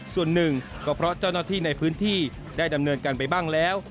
ส่วนหนึ่งก็เพราะเจ้าหน้าที่ในพื้นที่ได้ดำเนินการไปบ้างแล้ว